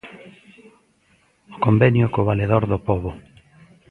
O convenio co Valedor do Pobo.